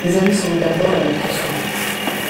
Les amis se regardèrent avec le sourire.